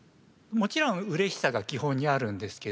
もちろんうれしさが基本にあるんですけど